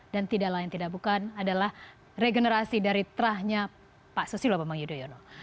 dan tidaklah yang tidak bukan adalah regenerasi dari terahnya pak sosilo bambang yudhoyono